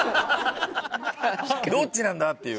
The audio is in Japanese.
どっちなんだ？っていう。